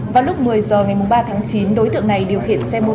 vào lúc một mươi h ngày ba tháng chín đối tượng này điều khiển xe một